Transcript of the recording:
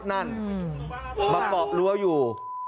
นั่นมาเกาะรั้วอยู่